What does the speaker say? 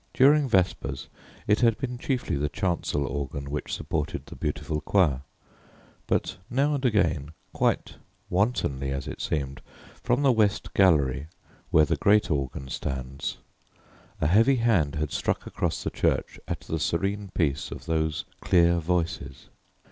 During vespers it had been chiefly the chancel organ which supported the beautiful choir, but now and again, quite wantonly as it seemed, from the west gallery where the great organ stands, a heavy hand had struck across the church at the serene peace of those clear voices.